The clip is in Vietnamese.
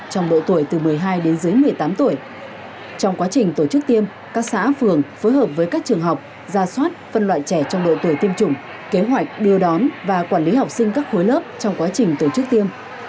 trong độ tuổi từ một mươi hai đến dưới một mươi tám tuổi trong quá trình tổ chức tiêm các xã phường phối hợp với các trường học ra soát phân loại trẻ trong độ tuổi tiêm chủng kế hoạch đưa đón và quản lý học sinh các khối lớp trong quá trình tổ chức tiêm